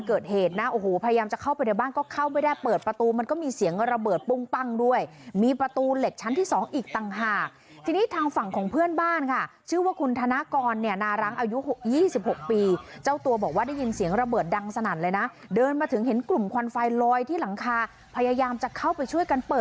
เกิดเหตุนะโอ้โหพยายามจะเข้าไปในบ้านก็เข้าไม่ได้เปิดประตูมันก็มีเสียงระเบิดปุ้งปั้งด้วยมีประตูเหล็กชั้นที่สองอีกต่างหากทีนี้ทางฝั่งของเพื่อนบ้านค่ะชื่อว่าคุณธนากรเนี่ยนารังอายุ๒๖ปีเจ้าตัวบอกว่าได้ยินเสียงระเบิดดังสนั่นเลยนะเดินมาถึงเห็นกลุ่มควันไฟลอยที่หลังคาพยายามจะเข้าไปช่วยกันเปิด